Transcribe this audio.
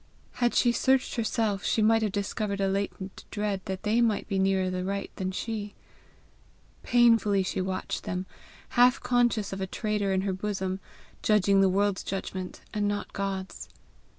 Had she searched herself she might have discovered a latent dread that they might be nearer the right than she. Painfully she watched them, half conscious of a traitor in her bosom, judging the world's judgment and not God's.